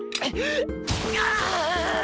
ああ！